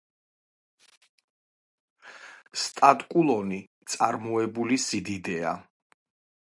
სტატკულონი წარმოებული სიდიდეა.